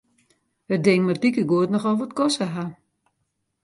It ding moat likegoed nochal wat koste ha.